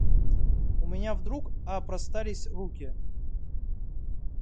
У меня вдруг опростались руки.